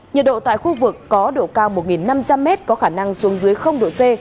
nhiệt độ tại khu vực có độ cao một năm trăm linh m có khả năng xuống dưới độ c